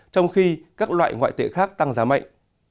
trong khi các loại ngoại tệ khác tăng giá mạnh